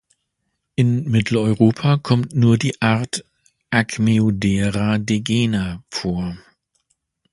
In Mitteleuropa kommt nur die Art "Acmaeodera degener" vor.